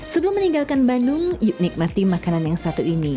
sebelum meninggalkan bandung yuk nikmati makanan yang satu ini